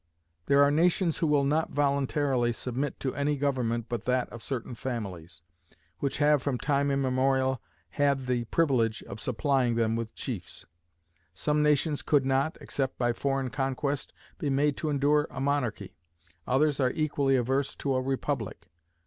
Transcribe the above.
There are nations who will not voluntarily submit to any government but that of certain families, which have from time immemorial had the privilege of supplying them with chiefs. Some nations could not, except by foreign conquest, be made to endure a monarchy; others are equally averse to a republic.